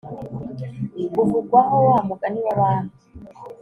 uvugwaho wa mugani w'abami